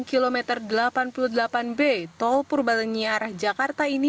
kilometer delapan puluh delapan b tol purbalenyi arah jakarta ini